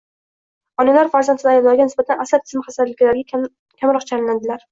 Onalar farzandsiz ayollarga nisbatan asab tizimi xastaliklariga kamroq chalinadilar.